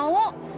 aku nggak mau